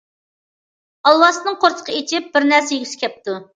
ئالۋاستىنىڭ قورسىقى ئېچىپ، بىر نەرسە يېگۈسى كەپتۇ.